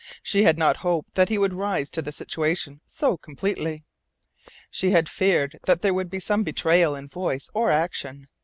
She had not hoped that he would rise to the situation so completely. She had feared that there would be some betrayal in voice or action.